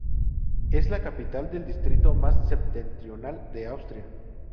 Es la capital de distrito más septentrional de Austria.